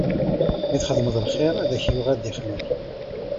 Mi txedmeḍ lxiṛ, ad ak-yuɣal d ixmiṛ.